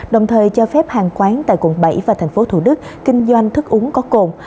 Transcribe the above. đồng thời cho phép hàng quán tại quận bảy và tp thủ đức kinh doanh thức uống có cồn